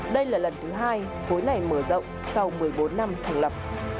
đây là lần thứ hai khối này mở rộng sau một mươi bốn năm thành lập